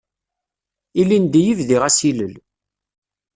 Ilindi i bdiɣ asilel.